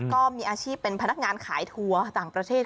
ก็มีอาชีพเป็นพนักงานขายทัวร์ต่างประเทศ